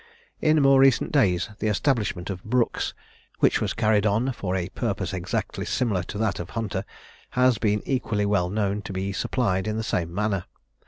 In more recent days the establishment of Brookes, which was carried on for a purpose exactly similar to that of Hunter, has been equally well known to be supplied in the same manner.